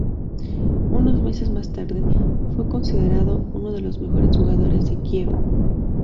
Unos meses más tarde, fue considerado uno de los mejores jugadores de Kiev.